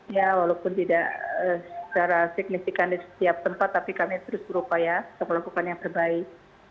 ya walaupun tidak secara signifikan di setiap tempat tapi kami terus berupaya untuk melakukan yang terbaik